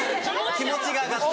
気持ちが上がった。